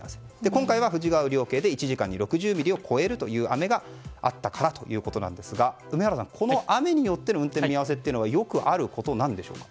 今回は富士川雨量計で１時間に６０ミリを超える雨があったからということですが梅原さん、雨によっての運転見合わせというのはよくあることなんでしょうか。